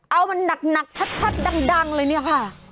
เอามันหนักชัดดังเลยเนี่ยค่ะ